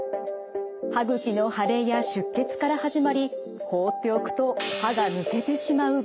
歯ぐきの腫れや出血から始まり放っておくと歯が抜けてしまう病気です。